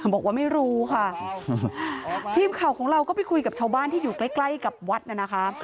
บอกว่าไม่รู้ค่ะทีมข่าวของเราก็ไปคุยกับชาวบ้านที่อยู่ใกล้ใกล้กับวัดน่ะนะคะ